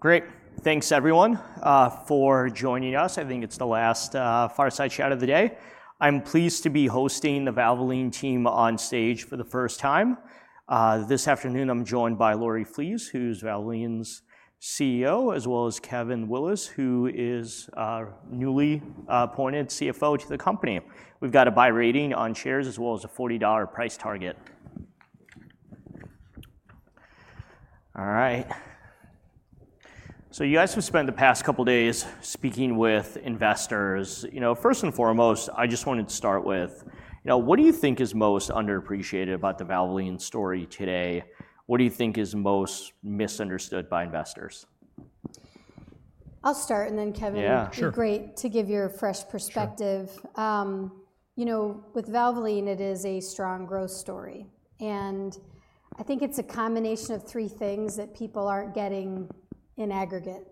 Great. Thanks, everyone, for joining us. I think it's the last fireside chat of the day. I'm pleased to be hosting the Valvoline team on stage for the first time. This afternoon, I'm joined by Lori Flees, who's Valvoline's CEO, as well as Kevin Willis, who is newly appointed CFO to the company. We've got a buy rating on shares, as well as a $40 price target. All right. So you guys have spent the past couple of days speaking with investors. First and foremost, I just wanted to start with, what do you think is most underappreciated about the Valvoline story today? What do you think is most misunderstood by investors? I'll start, and then Kevin. Yeah, sure. It'd be great to give your fresh perspective. With Valvoline, it is a strong growth story. I think it's a combination of three things that people aren't getting in aggregate.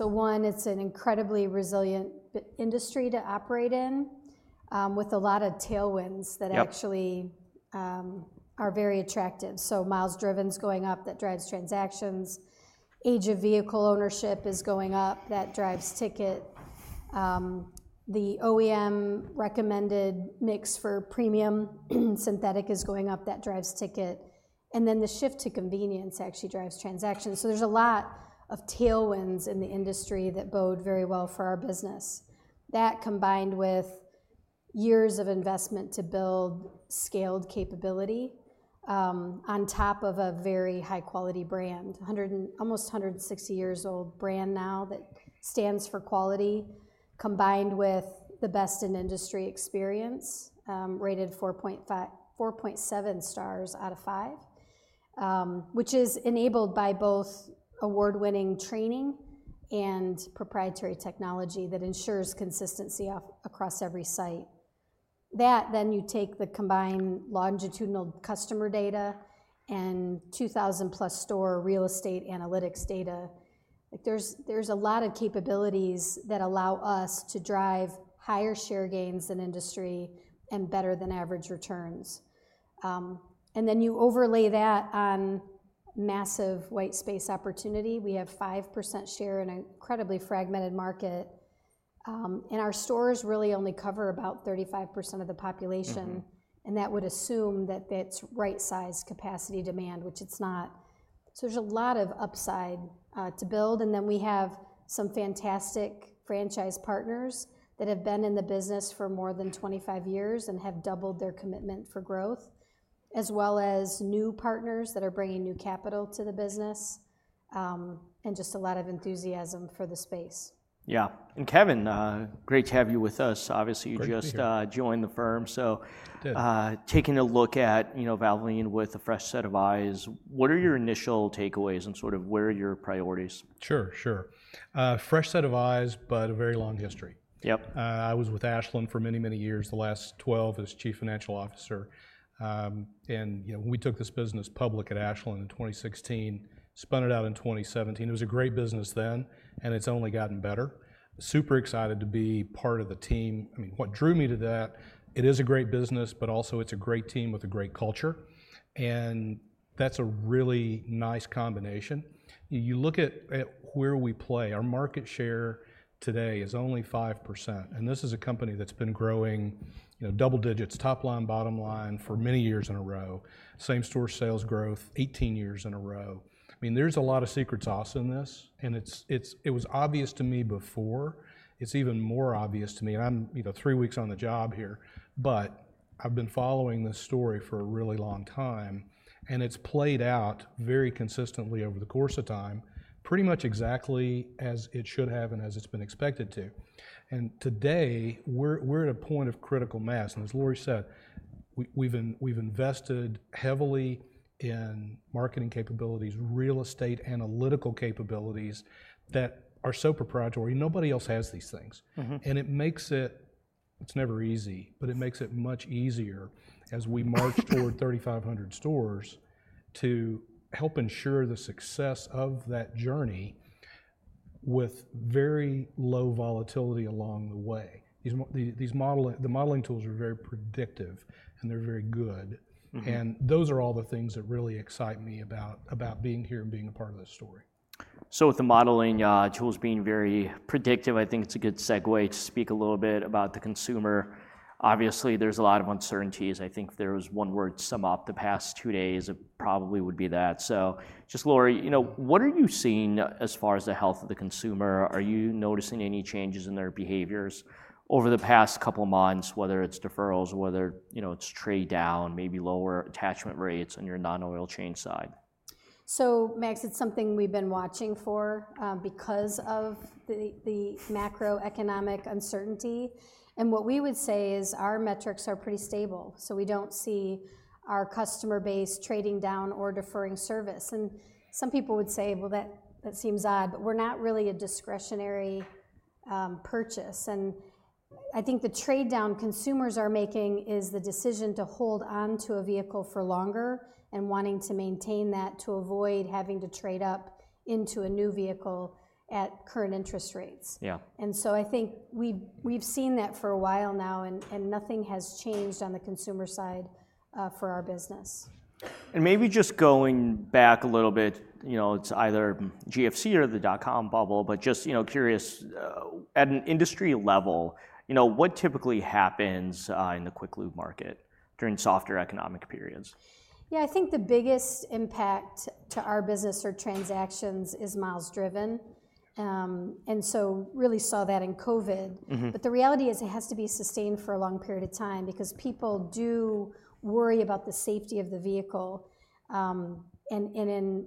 One, it's an incredibly resilient industry to operate in, with a lot of tailwinds that actually are very attractive. Miles driven is going up. That drives transactions. Age of vehicle ownership is going up. That drives ticket. The OEM-recommended mix for Premium Synthetic is going up. That drives ticket. The shift to convenience actually drives transactions. There are a lot of tailwinds in the industry that bode very well for our business. That, combined with years of investment to build scaled capability on top of a very high-quality brand, almost 160 years old brand now that stands for quality, combined with the best in industry experience, rated 4.7 stars out of 5, which is enabled by both award-winning training and proprietary technology that ensures consistency across every site. That, then you take the combined longitudinal customer data and 2,000-plus store real estate analytics data. There is a lot of capabilities that allow us to drive higher share gains in industry and better-than-average returns. Then you overlay that on massive white space opportunity. We have 5% share in an incredibly fragmented market. Our stores really only cover about 35% of the population. That would assume that it is right-sized capacity demand, which it is not. There is a lot of upside to build. We have some fantastic franchise partners that have been in the business for more than 25 years and have doubled their commitment for growth, as well as new partners that are bringing new capital to the business and just a lot of enthusiasm for the space. Yeah. Kevin, great to have you with us. Obviously, you just joined the firm. Taking a look at Valvoline with a fresh set of eyes, what are your initial takeaways and sort of where are your priorities? Sure, sure. Fresh set of eyes, but a very long history. Yep. I was with Ashland for many, many years, the last 12 as Chief Financial Officer. We took this business public at Ashland in 2016, spun it out in 2017. It was a great business then, and it's only gotten better. Super excited to be part of the team. I mean, what drew me to that, it is a great business, but also it's a great team with a great culture. That's a really nice combination. You look at where we play. Our market share today is only 5%. This is a company that's been growing double digits, top line, bottom line, for many years in a row. Same store sales growth, 18 years in a row. I mean, there's a lot of secret sauce in this. It was obvious to me before. It's even more obvious to me. I'm three weeks on the job here. I've been following this story for a really long time. It's played out very consistently over the course of time, pretty much exactly as it should have and as it's been expected to. Today, we're at a point of critical mass. As Lori said, we've invested heavily in marketing capabilities, real estate analytical capabilities that are so proprietary. Nobody else has these things. It makes it, it's never easy, but it makes it much easier as we march toward 3,500 stores to help ensure the success of that journey with very low volatility along the way. The modeling tools are very predictive, and they're very good. Those are all the things that really excite me about being here and being a part of this story. With the modeling tools being very predictive, I think it's a good segue to speak a little bit about the consumer. Obviously, there's a lot of uncertainties. I think if there was one word to sum up the past two days, it probably would be that. Lori, what are you seeing as far as the health of the consumer? Are you noticing any changes in their behaviors over the past couple of months, whether it's deferrals, whether it's trade down, maybe lower attachment rates on your non-oil change side? Meg, it's something we've been watching for because of the macroeconomic uncertainty. What we would say is our metrics are pretty stable. We don't see our customer base trading down or deferring service. Some people would say, well, that seems odd, but we're not really a discretionary purchase. I think the trade down consumers are making is the decision to hold on to a vehicle for longer and wanting to maintain that to avoid having to trade up into a new vehicle at current interest rates. Yeah. I think we've seen that for a while now, and nothing has changed on the consumer side for our business. Maybe just going back a little bit, it's either GFC or the dot-com bubble, but just curious, at an industry level, what typically happens in the quick lube market during softer economic periods? Yeah, I think the biggest impact to our business or transactions is miles driven. You really saw that in Covid. The reality is it has to be sustained for a long period of time because people do worry about the safety of the vehicle. In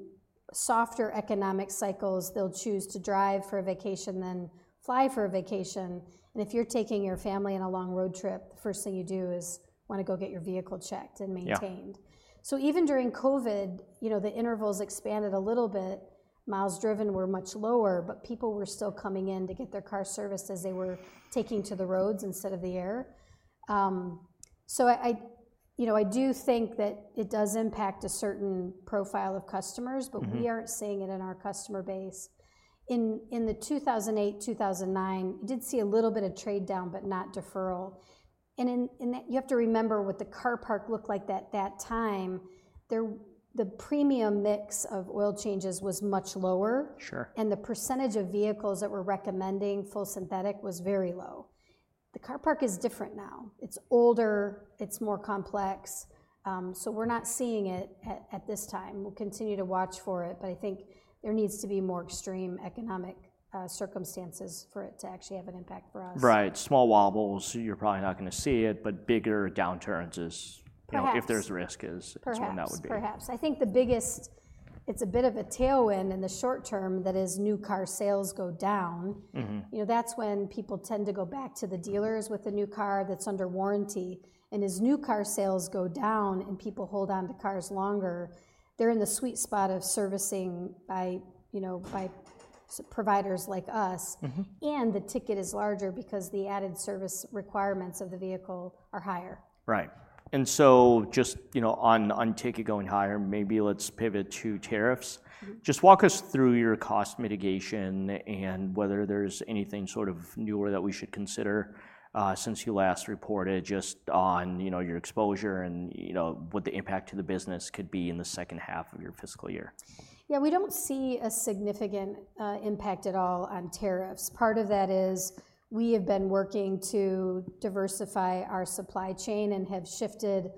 softer economic cycles, they'll choose to drive for a vacation than fly for a vacation. If you're taking your family on a long road trip, the first thing you do is want to go get your vehicle checked and maintained. Even during Covid, the intervals expanded a little bit. Miles driven were much lower, but people were still coming in to get their car serviced as they were taking to the roads instead of the air. I do think that it does impact a certain profile of customers, but we aren't seeing it in our customer base. In 2008, 2009, you did see a little bit of trade down, but not deferral. You have to remember what the car park looked like at that time. The premium mix of oil changes was much lower. Sure. The percentage of vehicles that were recommending full synthetic was very low. The car park is different now. It's older. It's more complex. We're not seeing it at this time. We'll continue to watch for it. I think there needs to be more extreme economic circumstances for it to actually have an impact for us. Right. Small wobbles, you're probably not going to see it, but bigger downturns, if there's risk, is that what that would be? Perhaps. I think the biggest, it's a bit of a tailwind in the short term that is new car sales go down. That's when people tend to go back to the dealers with a new car that's under warranty. As new car sales go down and people hold on to cars longer, they're in the sweet spot of servicing by providers like us. The ticket is larger because the added service requirements of the vehicle are higher. Right. And so just on ticket going higher, maybe let's pivot to tariffs. Just walk us through your cost mitigation and whether there's anything sort of newer that we should consider since you last reported just on your exposure and what the impact to the business could be in the second half of your fiscal year. Yeah, we don't see a significant impact at all on tariffs. Part of that is we have been working to diversify our supply chain and have shifted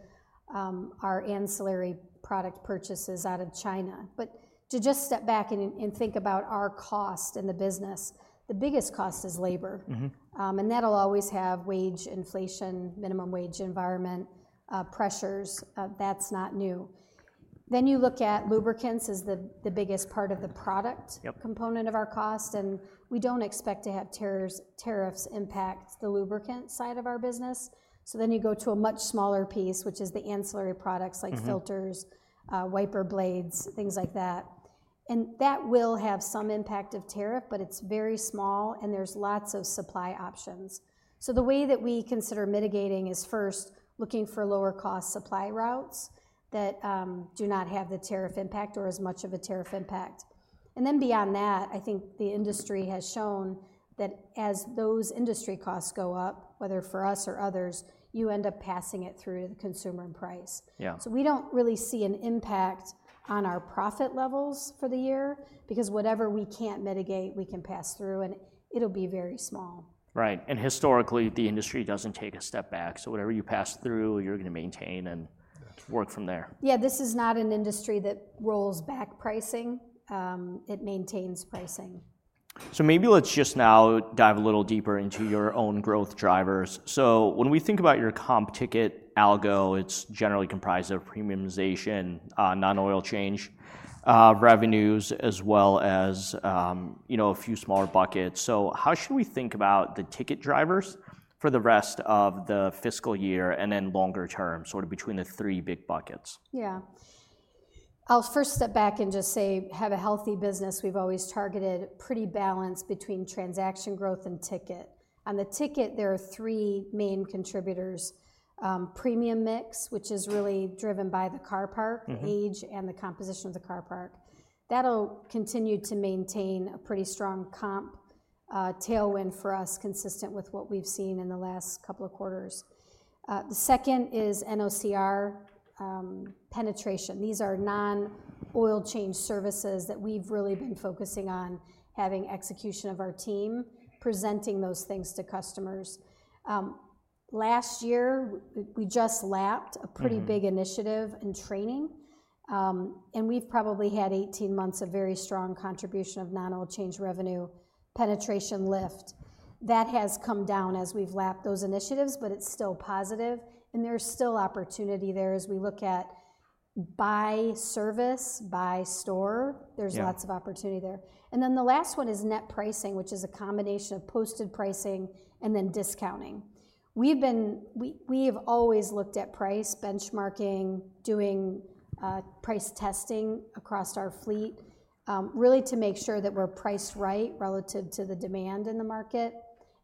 our ancillary product purchases out of China. To just step back and think about our cost in the business, the biggest cost is labor. That'll always have wage inflation, minimum wage environment pressures. That's not new. You look at lubricants as the biggest part of the product component of our cost. We don't expect to have tariffs impact the lubricant side of our business. You go to a much smaller piece, which is the ancillary products like filters, wiper blades, things like that. That will have some impact of tariff, but it's very small, and there's lots of supply options. The way that we consider mitigating is first looking for lower-cost supply routes that do not have the tariff impact or as much of a tariff impact. Beyond that, I think the industry has shown that as those industry costs go up, whether for us or others, you end up passing it through to the consumer in price. Yeah. We don't really see an impact on our profit levels for the year because whatever we can't mitigate, we can pass through, and it'll be very small. Right. Historically, the industry does not take a step back. Whatever you pass through, you are going to maintain and work from there. Yeah, this is not an industry that rolls back pricing. It maintains pricing. Maybe let's just now dive a little deeper into your own growth drivers. When we think about your comp ticket algo, it's generally comprised of premiumization, non-oil change revenues, as well as a few smaller buckets. How should we think about the ticket drivers for the rest of the fiscal year and then longer term, sort of between the three big buckets? Yeah. I'll first step back and just say, have a healthy business. We've always targeted pretty balance between transaction growth and ticket. On the ticket, there are three main contributors: Premium Mix, which is really driven by the car park, age, and the composition of the car park. That'll continue to maintain a pretty strong comp tailwind for us, consistent with what we've seen in the last couple of quarters. The second is NOCR penetration. These are non-oil change services that we've really been focusing on having execution of our team, presenting those things to customers. Last year, we just lapped a pretty big initiative in training. And we've probably had 18 months of very strong contribution of non-oil change revenue penetration lift. That has come down as we've lapped those initiatives, but it's still positive. And there's still opportunity there as we look at buy service, buy store. There's lots of opportunity there. The last one is Net Pricing, which is a combination of posted pricing and then discounting. We have always looked at price benchmarking, doing price testing across our fleet, really to make sure that we're priced right relative to the demand in the market.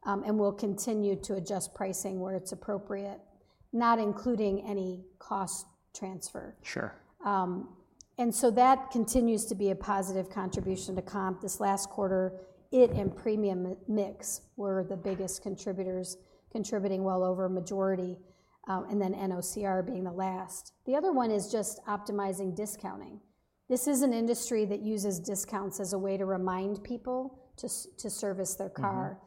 We will continue to adjust pricing where it's appropriate, not including any cost transfer. Sure. That continues to be a positive contribution to comp. This last quarter, it and premium mix were the biggest contributors, contributing well over a majority, and then NOCR being the last. The other one is just optimizing discounting. This is an industry that uses discounts as a way to remind people to service their car.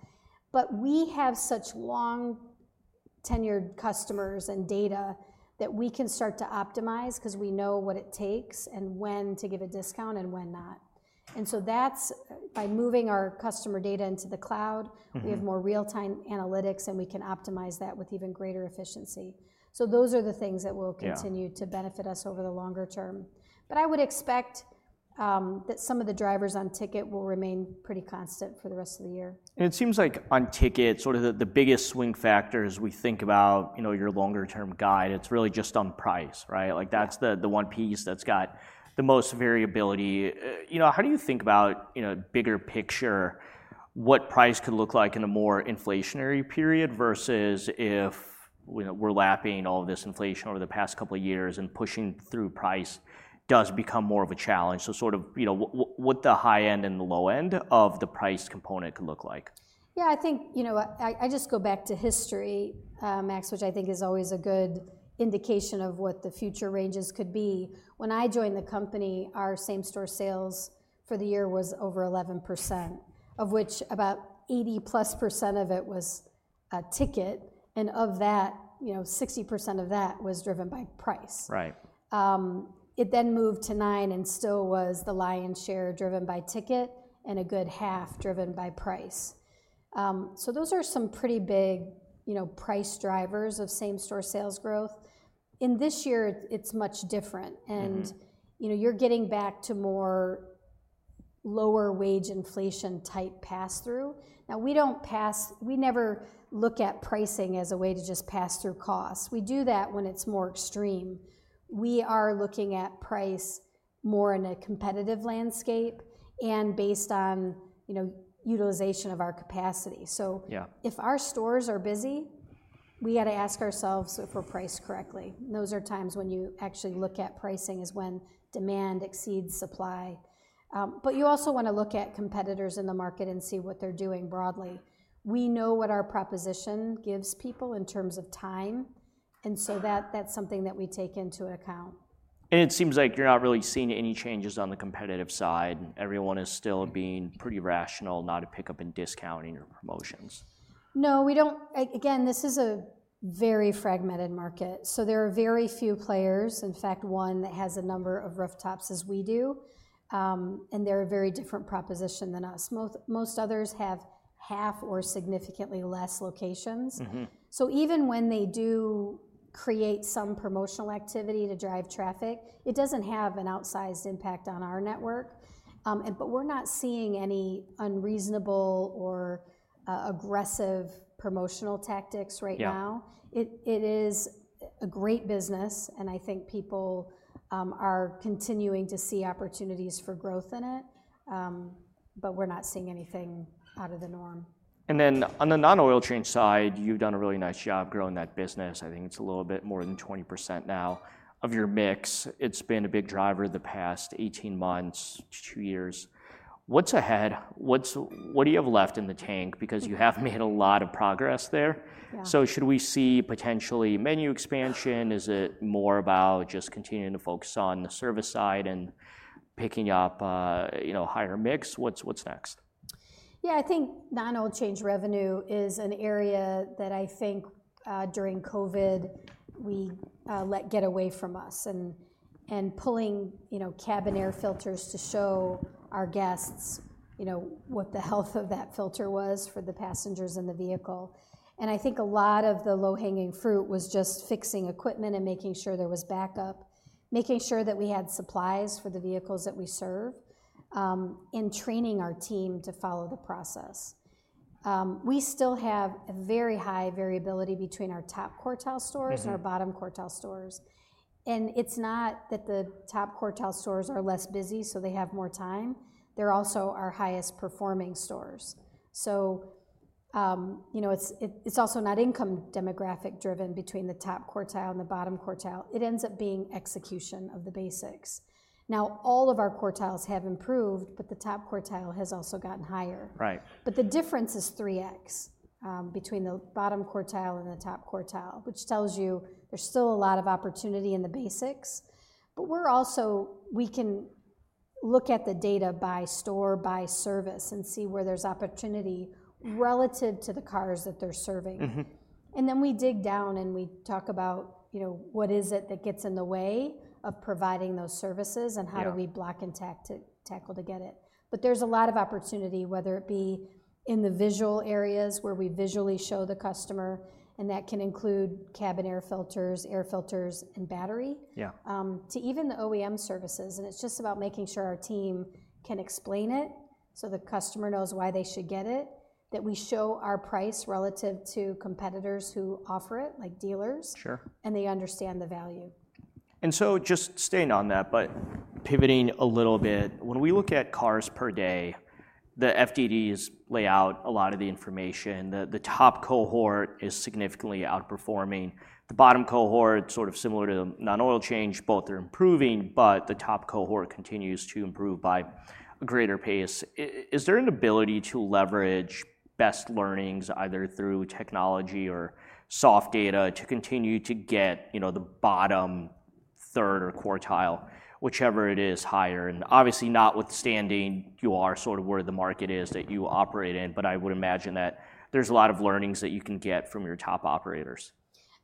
We have such long-tenured customers and data that we can start to optimize because we know what it takes and when to give a discount and when not. By moving our customer data into the Cloud, we have more real-time analytics, and we can optimize that with even greater efficiency. Those are the things that will continue to benefit us over the longer term. I would expect that some of the drivers on ticket will remain pretty constant for the rest of the year. It seems like on ticket, sort of the biggest swing factor as we think about your longer-term guide, it is really just on price, right? Like that is the one piece that has got the most variability. How do you think about, bigger picture, what price could look like in a more inflationary period versus if we are lapping all of this inflation over the past couple of years and pushing through price does become more of a challenge? What are sort of the high end and the low end of the price component that could look like? Yeah, I think I just go back to history, Meg, which I think is always a good indication of what the future ranges could be. When I joined the company, our same store sales for the year was over 11%, of which about 80-plus percent of it was ticket. And of that, 60% of that was driven by price. Right. It then moved to 9 and still was the lion's share driven by ticket and a good half driven by price. Those are some pretty big price drivers of same store sales growth. In this year, it's much different. You're getting back to more lower wage inflation type pass-through. Now, we don't pass, we never look at pricing as a way to just pass through costs. We do that when it's more extreme. We are looking at price more in a competitive landscape and based on utilization of our capacity. If our stores are busy, we got to ask ourselves if we're priced correctly. Those are times when you actually look at pricing, when demand exceeds supply. You also want to look at competitors in the market and see what they're doing broadly. We know what our proposition gives people in terms of time. That's something that we take into account. It seems like you're not really seeing any changes on the competitive side. Everyone is still being pretty rational, not a pickup in discounting or promotions. No, we don't. Again, this is a very fragmented market. There are very few players, in fact, one that has a number of rooftops as we do. They are a very different proposition than us. Most others have half or significantly fewer locations. Even when they do create some promotional activity to drive traffic, it does not have an outsized impact on our network. We are not seeing any unreasonable or aggressive promotional tactics right now. It is a great business, and I think people are continuing to see opportunities for growth in it. We are not seeing anything out of the norm. On the non-oil change side, you've done a really nice job growing that business. I think it's a little bit more than 20% now of your mix. It's been a big driver the past 18 months, two years. What's ahead? What do you have left in the tank? Because you have made a lot of progress there. Should we see potentially menu expansion? Is it more about just continuing to focus on the service side and picking up a higher mix? What's next? Yeah, I think non-oil change revenue is an area that I think during Covid we let get away from us and pulling cabin air filters to show our guests what the health of that filter was for the passengers in the vehicle. I think a lot of the low-hanging fruit was just fixing equipment and making sure there was backup, making sure that we had supplies for the vehicles that we serve, and training our team to follow the process. We still have a very high variability between our top quartile stores and our bottom quartile stores. It's not that the top quartile stores are less busy, so they have more time. They're also our highest performing stores. It's also not income demographic driven between the top quartile and the bottom quartile. It ends up being execution of the basics. Now, all of our quartiles have improved, but the top quartile has also gotten higher. Right. The difference is 3x between the bottom quartile and the top quartile, which tells you there's still a lot of opportunity in the basics. We're also, we can look at the data by store, by service, and see where there's opportunity relative to the cars that they're serving. We dig down and we talk about what is it that gets in the way of providing those services and how do we block and tackle to get it. There's a lot of opportunity, whether it be in the visual areas where we visually show the customer, and that can include cabin air filters, air filters, and battery, to even the OEM services. It's just about making sure our team can explain it so the customer knows why they should get it, that we show our price relative to competitors who offer it, like dealers. Sure. They understand the value. Just staying on that, but pivoting a little bit, when we look at cars per day, the FDDs lay out a lot of the information. The top cohort is significantly outperforming. The bottom cohort, sort of similar to non-oil change, both are improving, but the top cohort continues to improve by a greater pace. Is there an ability to leverage best learnings, either through technology or soft data, to continue to get the bottom third or quartile, whichever it is, higher? Obviously, notwithstanding you are sort of where the market is that you operate in, but I would imagine that there's a lot of learnings that you can get from your top operators.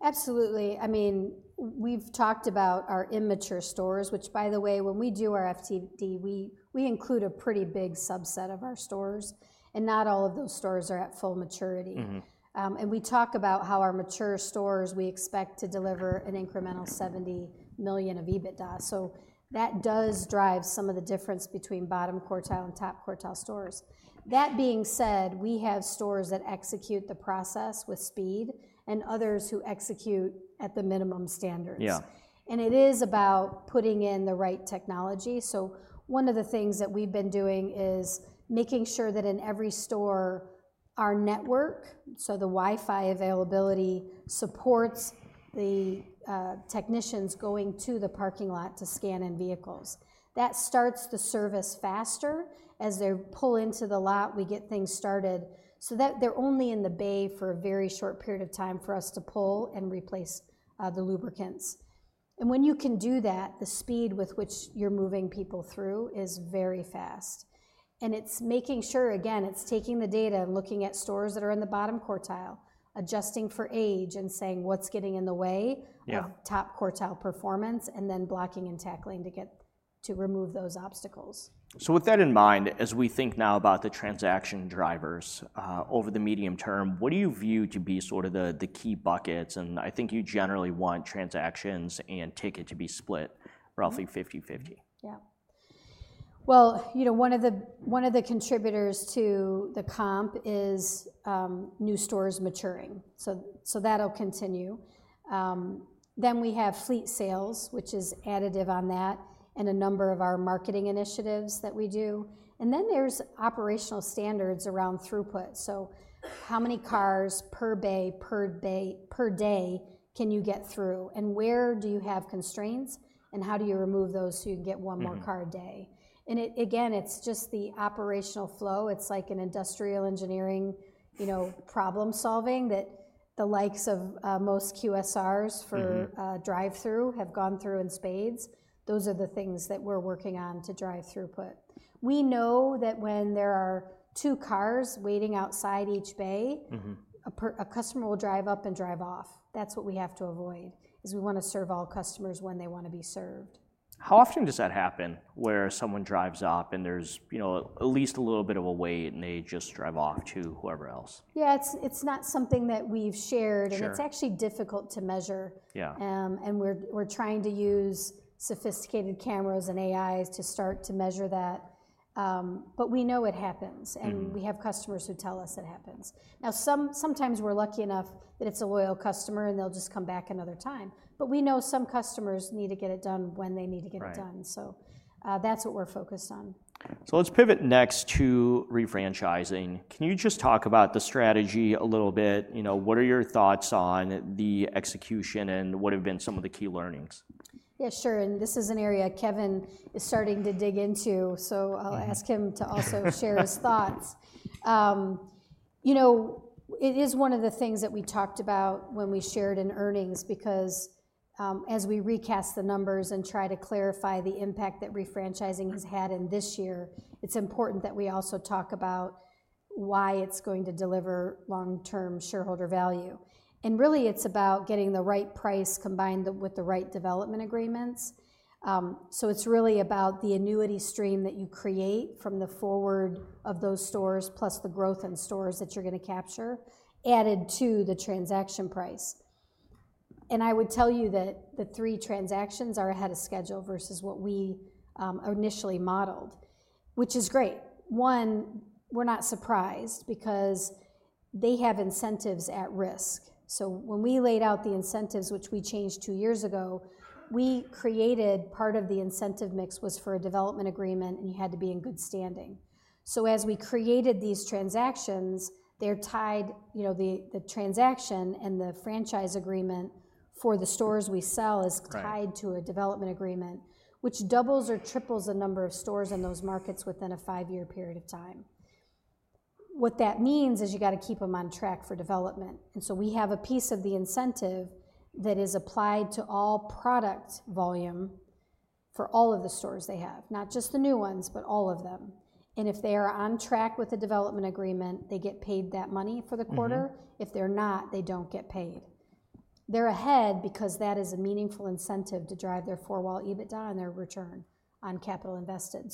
Absolutely. I mean, we've talked about our immature stores, which, by the way, when we do our FTD, we include a pretty big subset of our stores. Not all of those stores are at full maturity. We talk about how our mature stores, we expect to deliver an incremental $70 million of EBITDA. That does drive some of the difference between bottom quartile and top quartile stores. That being said, we have stores that execute the process with speed and others who execute at the minimum standards. It is about putting in the right technology. One of the things that we've been doing is making sure that in every store, our network, so the Wi-Fi availability, supports the technicians going to the parking lot to scan in vehicles. That starts the service faster. As they pull into the lot, we get things started so that they're only in the bay for a very short period of time for us to pull and replace the lubricants. When you can do that, the speed with which you're moving people through is very fast. It's making sure, again, it's taking the data and looking at stores that are in the bottom quartile, adjusting for age and saying what's getting in the way of top quartile performance, and then blocking and tackling to get to remove those obstacles. With that in mind, as we think now about the transaction drivers over the medium term, what do you view to be sort of the key buckets? I think you generally want transactions and ticket to be split roughly 50/50. Yeah. You know one of the contributors to the comp is new stores maturing. That'll continue. Then we have fleet sales, which is additive on that, and a number of our marketing initiatives that we do. There are operational standards around throughput. How many cars per bay, per day can you get through? Where do you have constraints? How do you remove those so you can get one more car a day? Again, it's just the operational flow. It's like an industrial engineering problem-solving that the likes of most QSRs for drive-through have gone through in spades. Those are the things that we're working on to drive throughput. We know that when there are two cars waiting outside each bay, a customer will drive up and drive off. That's what we have to avoid, is we want to serve all customers when they want to be served. How often does that happen where someone drives up and there's at least a little bit of a wait and they just drive off to whoever else? Yeah, it's not something that we've shared. It's actually difficult to measure. We're trying to use sophisticated cameras and AIs to start to measure that. We know it happens. We have customers who tell us it happens. Sometimes we're lucky enough that it's a loyal customer and they'll just come back another time. We know some customers need to get it done when they need to get it done. That's what we're focused on. Let's pivot next to refranchising. Can you just talk about the strategy a little bit? What are your thoughts on the execution and what have been some of the key learnings? Yeah, sure. This is an area Kevin is starting to dig into. I will ask him to also share his thoughts. You know, it is one of the things that we talked about when we shared in earnings because as we recast the numbers and try to clarify the impact that refranchising has had in this year, it is important that we also talk about why it is going to deliver long-term shareholder value. It is really about getting the right price combined with the right development agreements. It is really about the annuity stream that you create from the forward of those stores plus the growth in stores that you are going to capture added to the transaction price. I would tell you that the three transactions are ahead of schedule versus what we initially modeled, which is great. One, we are not surprised because they have incentives at risk. When we laid out the incentives, which we changed two years ago, we created part of the incentive mix was for a development agreement and you had to be in good standing. As we created these transactions, they're tied, the transaction and the franchise agreement for the stores we sell is tied to a development agreement, which doubles or triples the number of stores in those markets within a five-year period of time. What that means is you got to keep them on track for development. We have a piece of the incentive that is applied to all product volume for all of the stores they have, not just the new ones, but all of them. If they are on track with the development agreement, they get paid that money for the quarter. If they're not, they don't get paid. They're ahead because that is a meaningful incentive to drive their four-wall EBITDA and their return on capital invested.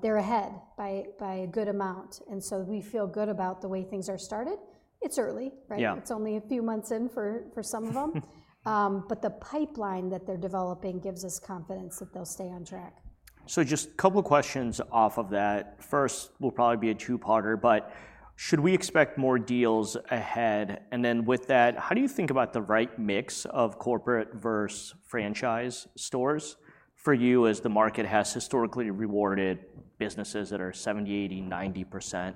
They're ahead by a good amount. We feel good about the way things are started. It's early, right? It's only a few months in for some of them. The pipeline that they're developing gives us confidence that they'll stay on track. Just a couple of questions off of that. First, it'll probably be a two-parter, but should we expect more deals ahead? With that, how do you think about the right mix of corporate versus franchise stores for you as the market has historically rewarded businesses that are 70%, 80%,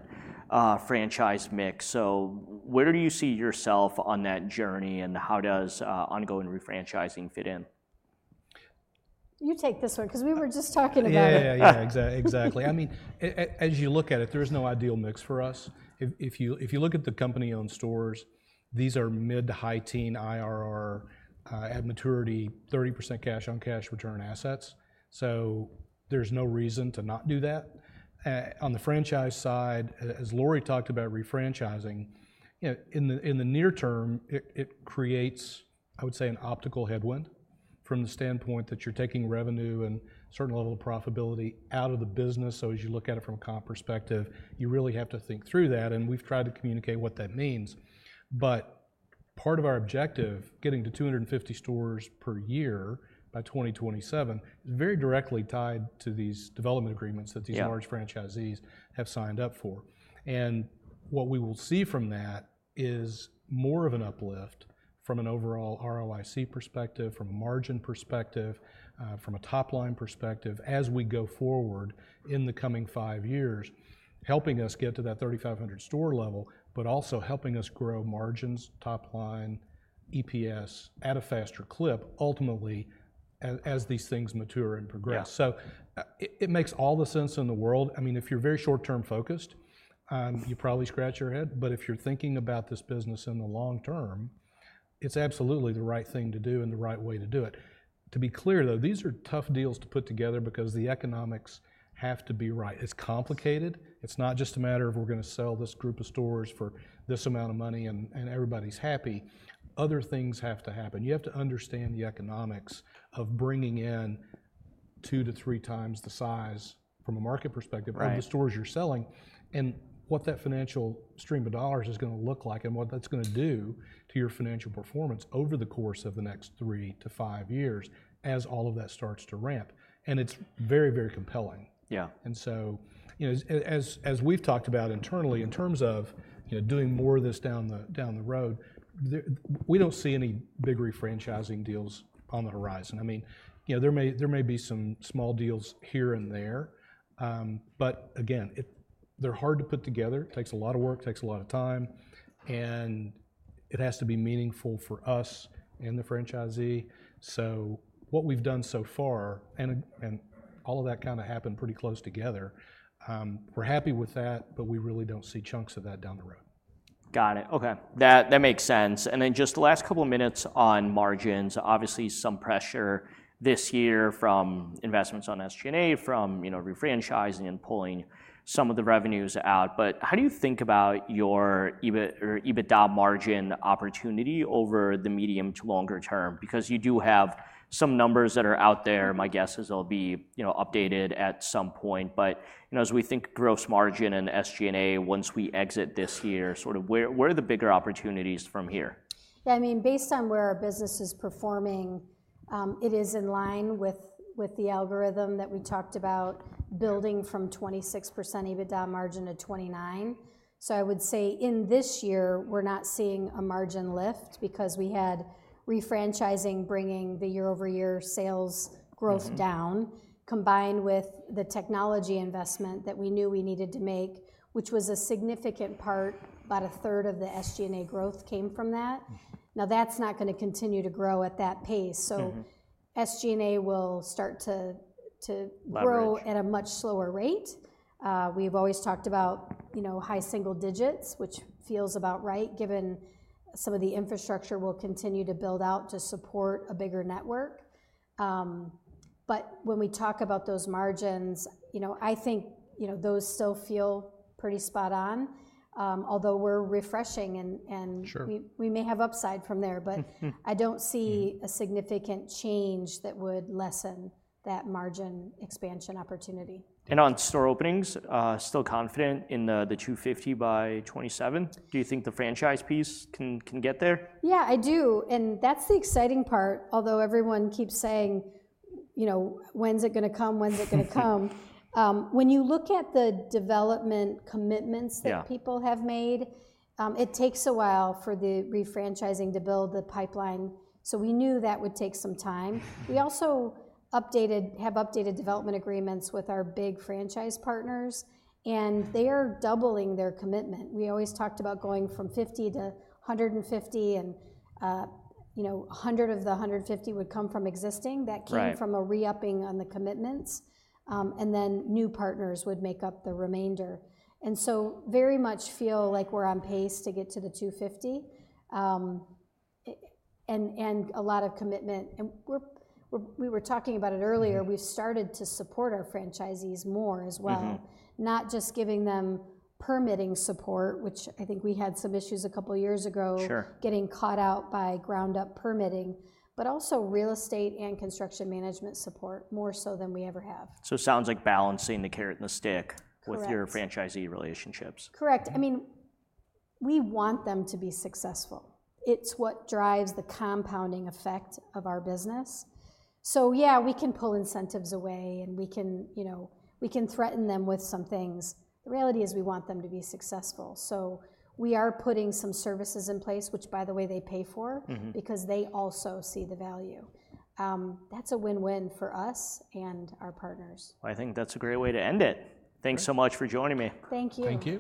90% franchise mix? Where do you see yourself on that journey and how does ongoing refranchising fit in? You take this one because we were just talking about it. Yeah, yeah, yeah, exactly. I mean, as you look at it, there is no ideal mix for us. If you look at the company-owned stores, these are mid to high-teen IRR, at maturity, 30% cash-on-cash return assets. There is no reason to not do that. On the franchise side, as Lori talked about refranchising, in the near term, it creates, I would say, an optical headwind from the standpoint that you're taking revenue and a certain level of profitability out of the business. As you look at it from a comp perspective, you really have to think through that. We've tried to communicate what that means. Part of our objective, getting to 250 stores per year by 2027, is very directly tied to these development agreements that these large franchisees have signed up for. What we will see from that is more of an uplift from an overall ROIC perspective, from a margin perspective, from a top-line perspective as we go forward in the coming five years, helping us get to that 3,500 store-level, but also helping us grow margins, top-line, EPS at a faster clip, ultimately, as these things mature and progress. It makes all the sense in the world. I mean, if you're very short-term focused, you probably scratch your head. If you're thinking about this business in the long term, it's absolutely the right thing to do and the right way to do it. To be clear, though, these are tough deals to put together because the economics have to be right. It's complicated. It's not just a matter of we're going to sell this group of stores for this amount of money and everybody's happy. Other things have to happen. You have to understand the economics of bringing in two to three times the size from a market perspective of the stores you're selling and what that financial stream of dollars is going to look like and what that's going to do to your financial performance over the course of the next three to five years as all of that starts to ramp. It is very, very compelling. Yeah. As we have talked about internally, in terms of doing more of this down the road, we do not see any big refranchising deals on the horizon. I mean, there may be some small deals here and there. They are hard to put together. It takes a lot of work, takes a lot of time. It has to be meaningful for us and the franchisee. What we've done so far, and all of that kind of happened pretty close together, we're happy with that, but we really do not see chunks of that down the road. Got it. Okay. That makes sense. In the last couple of minutes on margins, obviously some pressure this year from investments on SG&A, from refranchising and pulling some of the revenues out. How do you think about your EBITDA margin opportunity over the medium to longer term? You do have some numbers that are out there. My guess is they'll be updated at some point. As we think gross margin and SG&A once we exit this year, sort of where are the bigger opportunities from here? Yeah, I mean, based on where our business is performing, it is in line with the algorithm that we talked about building from 26% EBITDA margin to 29%. I would say in this year, we're not seeing a margin lift because we had refranchising bringing the year-over-year sales growth down, combined with the technology investment that we knew we needed to make, which was a significant part, about a third of the SG&A growth came from that. Now, that's not going to continue to grow at that pace. SG&A will start to grow at a much slower rate. We've always talked about high single digits, which feels about right given some of the infrastructure we'll continue to build out to support a bigger network. When we talk about those margins, I think those still feel pretty spot on, although we're refreshing and we may have upside from there. I don't see a significant change that would lessen that margin expansion opportunity. On store openings, still confident in the 250 by 2027. Do you think the franchise piece can get there? Yeah, I do. That is the exciting part. Although everyone keeps saying, when is it going to come? When is it going to come? When you look at the development commitments that people have made, it takes a while for the refranchising to build the pipeline. We knew that would take some time. We also have updated development agreements with our big franchise partners. They are doubling their commitment. We always talked about going from 50 to 150 and 100 of the 150 would come from existing. That came from a re-upping on the commitments. New partners would make up the remainder. I very much feel like we are on pace to get to the 250. There is a lot of commitment. We were talking about it earlier. We have started to support our franchisees more as well. Not just giving them permitting support, which I think we had some issues a couple of years ago getting caught out by ground-up permitting, but also real estate and construction management support more so than we ever have. It sounds like balancing the carrot and the stick with your franchisee relationships. Correct. I mean, we want them to be successful. It is what drives the compounding effect of our business. Yeah, we can pull incentives away and we can threaten them with some things. The reality is we want them to be successful. We are putting some services in place, which, by the way, they pay for because they also see the value. That is a win-win for us and our partners. I think that's a great way to end it. Thanks so much for joining me. Thank you.